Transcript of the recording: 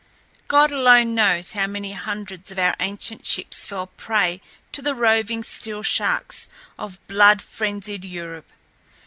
God alone knows how many hundreds of our ancient ships fell prey to the roving steel sharks of blood frenzied Europe.